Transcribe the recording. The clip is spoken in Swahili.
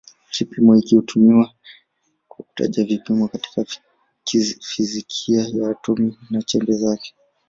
Kipimo hiki hutumiwa kwa kutaja vipimo katika fizikia ya atomi na chembe zake.